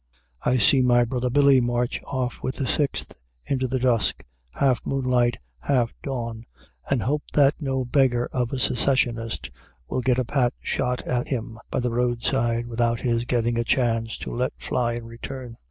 I see my brother Billy march off with the Sixth, into the dusk, half moonlight, half dawn, and hope that no beggar of a Secessionist will get a pat shot at him, by the roadside, without his getting a chance to let fly in return.